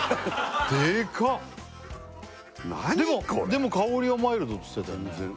でも香りはマイルドって言ってたよね